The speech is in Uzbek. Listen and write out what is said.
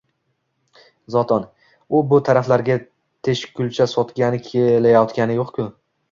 Zotan, u bu taraflarga teshikkulcha sotgani kelayotgani yo'q-ku...